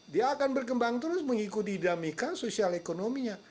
dia akan berkembang terus mengikuti dinamika sosial ekonominya